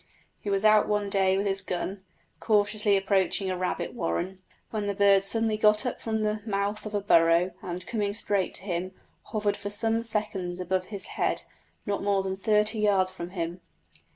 He was out one day with his gun, cautiously approaching a rabbit warren, when the bird suddenly got up from the mouth of a burrow, and coming straight to him, hovered for some seconds above his head, not more than thirty yards from him.